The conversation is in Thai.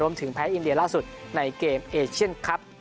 แพ้อินเดียล่าสุดในเกมเอเชียนคลับ